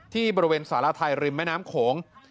ที่บริเวณสารไทยริมแม่น้ำโขง